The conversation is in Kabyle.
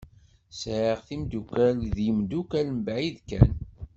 Sɛiɣ timdukal d yimdukal mebɛid kan.